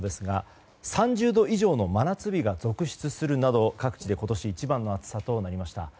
３０度以上の真夏日が続出するなど各地で今年一番の暑さとなりました。